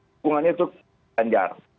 dukungannya itu mas ganjar